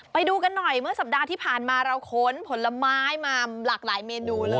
ไปดูกันหน่อยเมื่อสัปดาห์ที่ผ่านมาเราขนผลไม้มาหลากหลายเมนูเลย